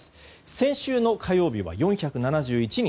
先週の火曜日は４７１人。